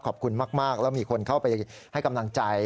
ขอบคุณมากแล้วมีคนเข้าไปให้กำลังใจ